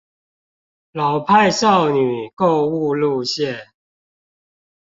老派少女購物路線